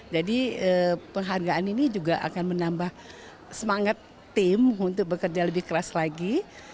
jadi penghargaan ini juga akan menambah semangat tim untuk bekerja lebih keras lagi